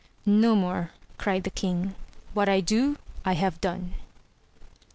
No more cried the king ; what I do, I have done.